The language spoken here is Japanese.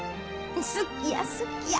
好きや好きや。